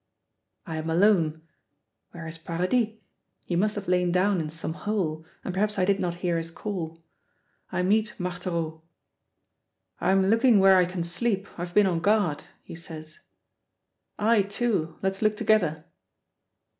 I am alone. Where is Paradis? He must have lain down in some hole, and perhaps I did not hear his call. I meet Marthereau. "I'm looking where I can sleep, I've been on guard," he says. "I, too; let's look together."